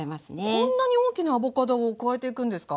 こんなに大きなアボカドを加えていくんですか？